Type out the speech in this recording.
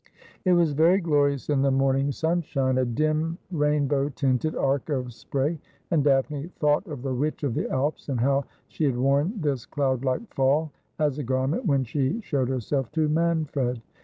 It was very glorious in the morning sunshine, a dim rainbow tinted arc of spray ; and Daphne thought of the Witch of the Alps, and how she had worn this cloud like fall as a garment, when she showed herself to Manfred.